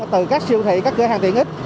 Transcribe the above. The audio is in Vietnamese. từ các siêu thị các cửa hàng tiện ích